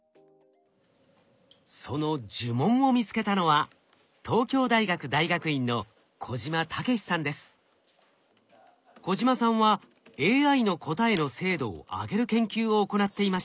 その呪文を見つけたのは小島さんはＡＩの答えの精度を上げる研究を行っていました。